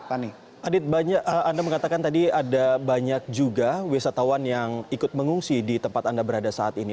adit anda mengatakan tadi ada banyak juga wisatawan yang ikut mengungsi di tempat anda berada saat ini